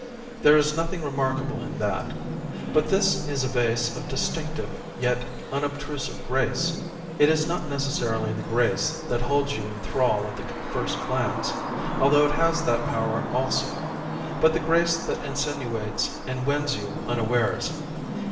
There is nothing remarkable in that ; but this is a vase of distinctive yet unobtrusive grace ; it is not necessarily the grace that holds you in thrall at the first glance, although it has that power also, but the grace that insinuates and wins you unawares.